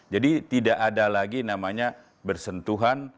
jadi tidak ada lagi namanya bersentuhan